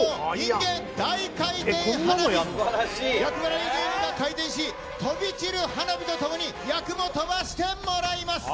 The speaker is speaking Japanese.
芸人が回転し、飛び散る花火とともに厄も飛ばしてもらいます。